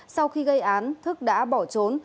sau khi gây án thức đã bỏ trốn